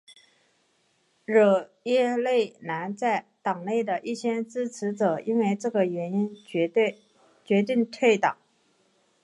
惹耶勒南在党内的一些支持者因为这个原因决定退党。